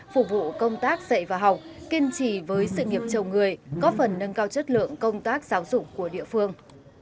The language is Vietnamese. phục vụ công tác dạy và học kiên trì với sự nghiệp chồng người có phần nâng cao chất lượng công tác giáo dục của địa phương